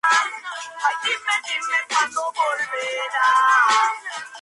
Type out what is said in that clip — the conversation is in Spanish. A inicios del año siguiente presentó un espectáculos similar, "Voces de Película".